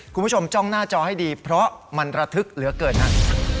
คุณผู้ชมจ้องหน้าจอให้ดีเพราะมันระทึกเหลือเกินฮะ